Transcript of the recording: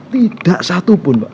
tidak satu pun